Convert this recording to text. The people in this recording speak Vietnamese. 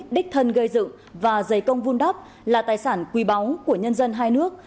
đích thân gây dựng và giấy công vun đắp là tài sản quý báu của nhân dân hai nước